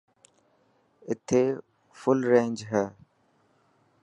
اتي فل رينج هي.